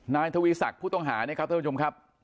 นายทวีศักดิ์ผู้ต้องหาเนี่ยครับท่านผู้ชมครับ